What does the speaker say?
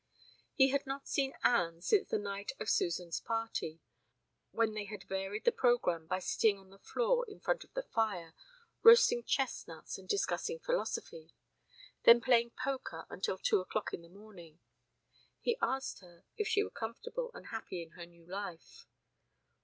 He had not seen Anne since the night of Suzan's party, when they had varied the program by sitting on the floor in front of the fire, roasting chestnuts and discussing philosophy; then playing poker until two o'clock in the morning. He asked her if she were comfortable and happy in her new life.